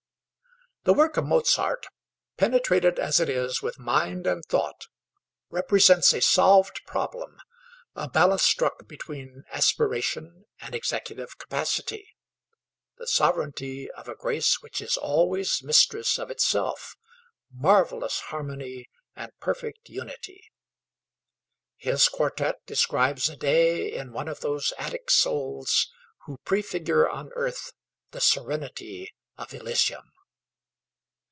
The work of Mozart, penetrated as it is with mind and thought, represents a solved problem, a balance struck between aspiration and executive capacity, the sovereignty of a grace which is always mistress of itself, marvelous harmony and perfect unity. His quartette describes a day in one of those Attic souls who prefigure on earth the serenity of Elysium.